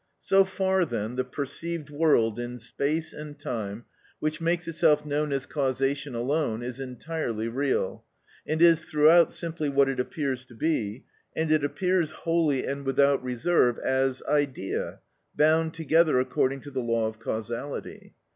So far then, the perceived world in space and time, which makes itself known as causation alone, is entirely real, and is throughout simply what it appears to be, and it appears wholly and without reserve as idea, bound together according to the law of causality.